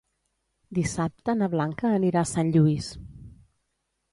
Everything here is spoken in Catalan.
Dissabte na Blanca anirà a Sant Lluís.